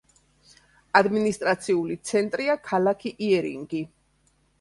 ადმინისტრაციული ცენტრია ქალაქი იერინგი.